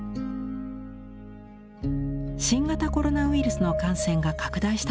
新型コロナウイルスの感染が拡大した頃の作品。